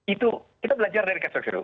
itu kita belajar dari ksatria